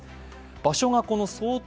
場所がこの想定